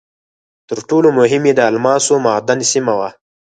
تر ټولو مهم یې د الماسو معدن سیمه وه.